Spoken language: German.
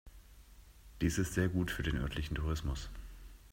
Dies ist sehr gut für den örtlichen Tourismus.